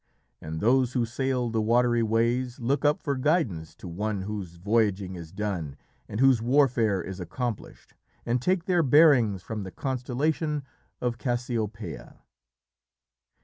And those who sail the watery ways look up for guidance to one whose voyaging is done and whose warfare is accomplished, and take their bearings from the constellation of Cassiopeia.